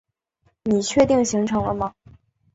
你确定行程了吗？